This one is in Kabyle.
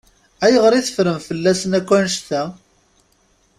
Ayɣer i teffrem fell-asen akk annect-a?